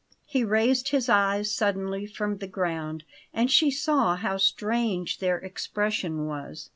He raised his eyes suddenly from the ground, and she saw how strange their expression was.